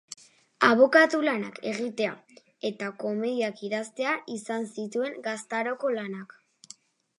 Abokatu-lanak egitea eta komediak idaztea izan zituen gaztaroko lanak.